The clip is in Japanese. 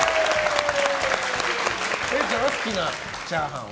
れいちゃんは好きなチャーハンは？